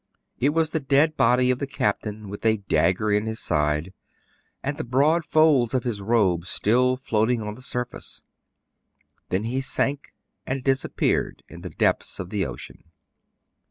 It was the dead body of the captain, with a dagger in his side, and the broad folds of his robe still floating on the surface. Then he sank, and disappeared in the depths of the ocean.